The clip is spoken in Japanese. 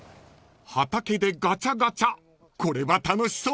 ［畑でガチャガチャこれは楽しそう］